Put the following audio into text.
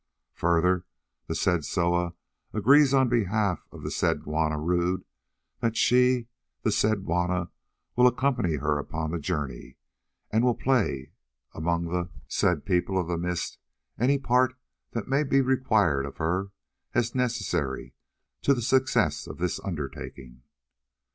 Further, the said Soa agrees, on behalf of the said Juanna Rodd, that she, the said Juanna, will accompany her upon the journey, and will play among the said People of the Mist any part that may be required of her as necessary to the success of this undertaking.